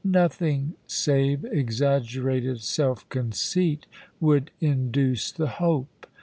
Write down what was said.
Nothing save exaggerated self conceit would induce the hope.